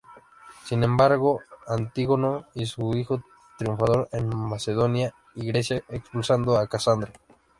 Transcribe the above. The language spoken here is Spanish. Sin embargo, Antígono y su hijo triunfaron en Macedonia y Grecia expulsando a Casandro.